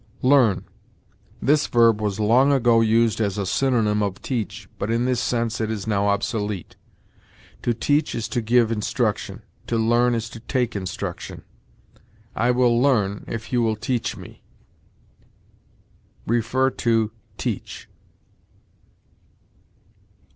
LEARN. This verb was long ago used as a synonym of teach, but in this sense it is now obsolete. To teach is to give instruction; to learn is to take instruction. "I will learn, if you will teach me." See TEACH.